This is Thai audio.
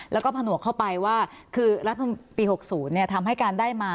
แล้วก็ผนวกเข้าไปว่าคือรัฐมนตรีปี๖๐ทำให้การได้มา